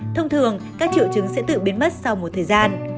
thông thường các triệu chứng sẽ tự biến mất sau một thời gian